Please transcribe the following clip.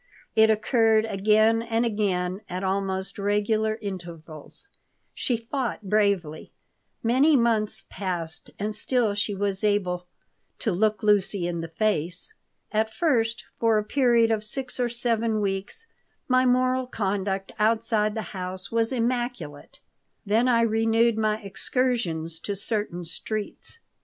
It occurred again and again at almost regular intervals. She fought bravely Many months passed, and still she was able "to look Lucy in the face." At first, for a period of six or seven weeks, my moral conduct outside the house was immaculate. Then I renewed my excursions to certain streets.